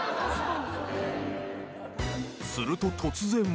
［すると突然］